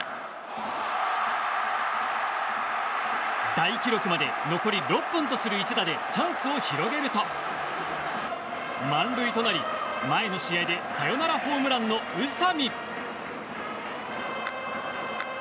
大記録まで残り６本とする一打でチャンスを広げると満塁となり、前の試合でサヨナラホームランの宇佐見。